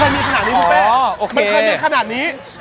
มันเคยมีขนาดนี้คุณเป้